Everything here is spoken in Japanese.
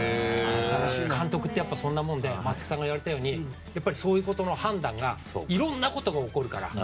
監督ってやっぱりそんなもので松木さんが言われたようにそういうことの判断がいろんなことが起こるから。